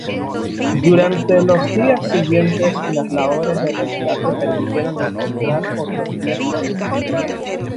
Durante los días siguientes, las labores de rescate permitieron encontrar otros diez fallecidos.